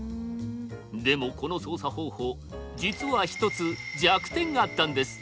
でもこの操作方法実は一つ弱点があったんです。